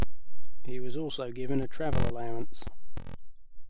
He was also given a travel allowance.